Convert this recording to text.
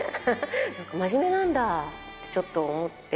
なんか真面目なんだ！ってちょっと思って。